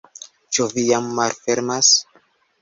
Ĉu vi jam malfermas?